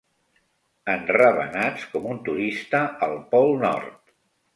Enravenats com un turista al Pol Nord.